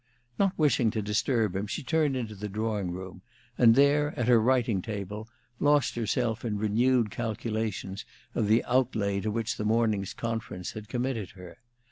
Not wishing to disturb him, she turned into the drawing room, and there, at her writing table, lost herself in renewed calculations of the outlay to which the morning's conference had committed her.